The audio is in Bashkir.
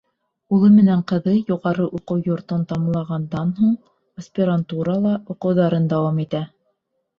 Улы менән ҡыҙы, юғары уҡыу йортон тамамлағандан һуң аспирантурала уҡыуҙарын дауам итә.